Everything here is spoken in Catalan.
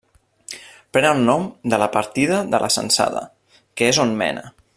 Pren el nom de la partida de la Censada, que és on mena.